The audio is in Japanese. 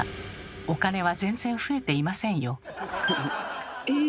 お金は全然増えていませんよ。